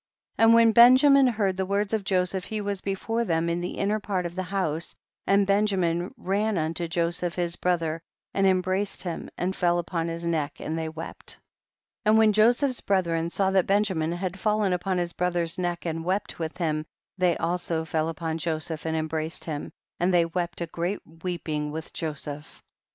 And when Benjamin heard the words of Joseph he was before them in the inner part of the house, and Benjamin ran unto Joseph his brother and embraced him and fell upon his neck, and they wept. 72. And when Joseph's brethren saw that Benjamin had fallen upon his brother's neck and wept with him, they also fell upon Joseph and em braced him, and they wept a great weeping with Joseph.